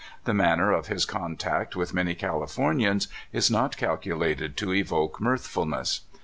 The manner of his contact with many Californians is not calculated to evoke mirthfulness.